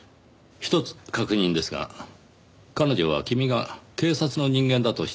ひとつ確認ですが彼女は君が警察の人間だと知っているのですか？